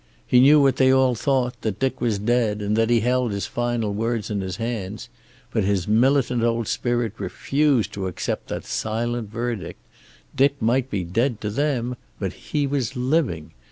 He knew what they all thought, that Dick was dead and that he held his final words in his hands, but his militant old spirit refused to accept that silent verdict. Dick might be dead to them, but he was living.